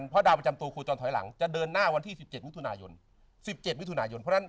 เพราะดาวประจำตัวครูจอลถอยหลังจะเดินหน้าวันที่๑๗มิตุนายน